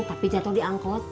tapi jatuh diangkut